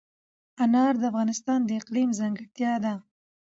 انار د افغانستان د اقلیم ځانګړتیا ده.